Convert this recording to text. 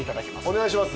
お願いします。